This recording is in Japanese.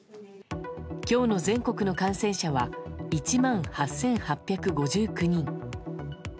今日の全国の感染者は１万８８５９人。